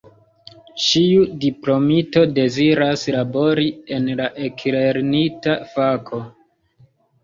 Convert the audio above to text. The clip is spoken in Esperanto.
Ĉiu diplomito deziras labori en la eklernita fako.